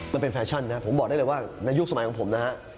มันเป็นแฟชั่นนะครับผมบอกได้เลยว่าในยุคสมัยของผมนะฮะ